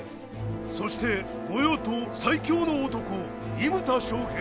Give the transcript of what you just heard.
そして御用盗最強の男伊牟田尚平。